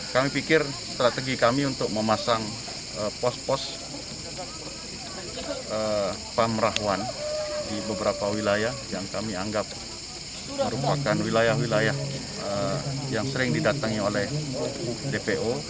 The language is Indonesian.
kami pikir strategi kami untuk memasang pos pos pamrahwan di beberapa wilayah yang kami anggap merupakan wilayah wilayah yang sering didatangi oleh dpo